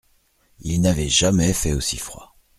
Il n’avait jamais fait aussi froid.